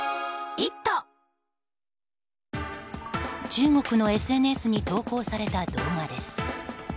中国のＳＮＳに投稿された動画です。